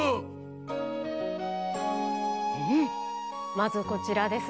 まずこちらです。